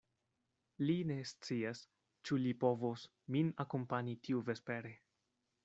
Li ne scias, ĉu li povos min akompani tiuvespere.